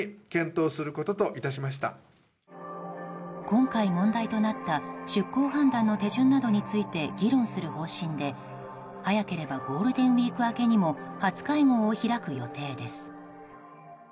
今回問題となった出航判断の手順などについて議論する方針で早ければゴールデンウィーク明けにも初会合を開く予定です。